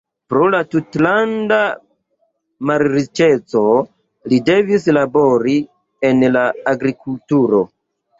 Pro la tutlanda malriĉeco li devis labori en la agrikulturo.